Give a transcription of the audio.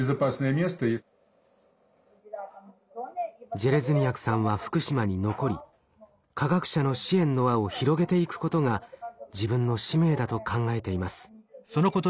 ジェレズニヤクさんは福島に残り科学者の支援の輪を広げていくことが自分の使命だと考えています。